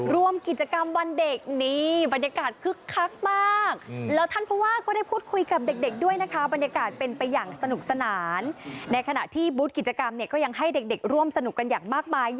รวมกิจกรรมวันเด็กนี้บรรยากาศพึกคักมาก